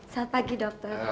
selamat pagi dokter